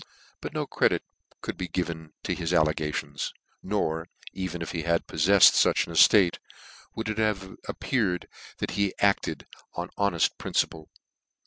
but no credit could be given to his allegations , nor, even if he had pofleifed fuch an eftate, would it have appeared that he acted on an honeft principle.